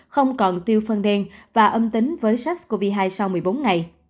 không còn tiêu phân đen và âm tính với sars cov hai sau một mươi bốn ngày